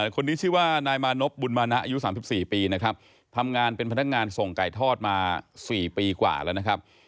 คนนี้ชื่อว่านายมานพบุญมานะอายุ๓๔ปีนะครับทำงานเป็นพนักงานส่งไก่ทอดมา๔ปีกว่าแล้วนะครับ